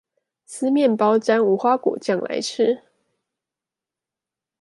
撕麵包沾無花果醬來吃